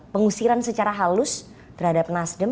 pengusiran secara halus terhadap nasdem